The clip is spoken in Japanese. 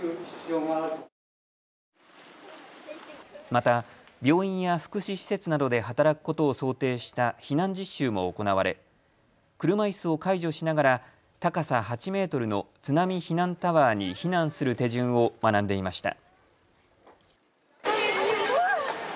また病院や福祉施設などで働くことを想定した避難実習も行われ、車いすを介助しながら高さ８メートルの津波避難タワーに避難する手順を学んでいました。